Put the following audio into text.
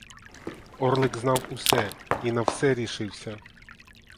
Орлик знав усе і на все рішився.